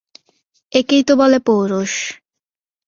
একেই তো বলে পৌরুষ।